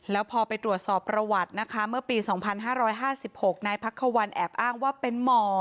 แล้วพอไปตรวจสอบประวัตินะคะเมื่อปี๒๕๕๖นายพักควันแอบอ้างว่าเป็นหมอ